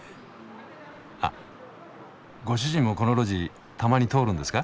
あっご主人もこの路地たまに通るんですか？